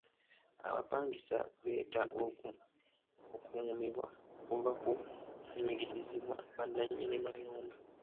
Abapangisa beetaaga okuumibwa okuva ku kunyigirizibwa ba nnanyini mayumba.